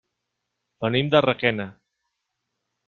Venim de Requena.